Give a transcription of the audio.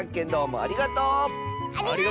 ありがとう！